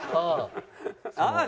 ああ。